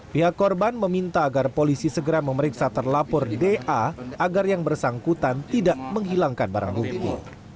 pihak korban meminta agar polisi segera memeriksa terlapor da agar yang bersangkutan tidak menghilangkan barang bukti